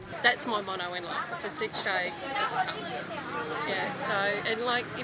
itu mononya saya dalam hidup saya hanya setiap hari